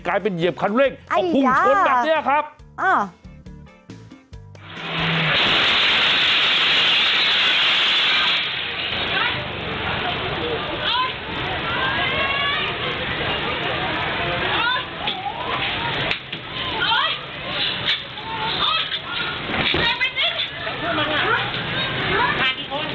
กลายเป็นเหยียบคันเร็กของคุณคนแบบนี้ครับอ้อไอ้เยาว์